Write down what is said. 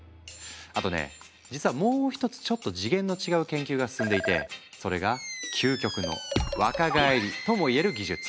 あとね実はもう一つちょっと次元の違う研究が進んでいてそれが究極の若返りともいえる技術。